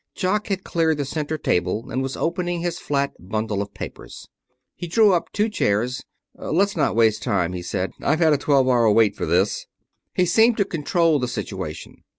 Jock had cleared the center table and was opening his flat bundle of papers. He drew up two chairs. "Let's not waste any time," he said. "I've had a twelve hour wait for this." He seemed to control the situation.